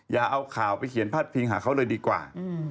อย่าเอาข่าวไปเขียนพาดพิงหาเขาเลยดีกว่า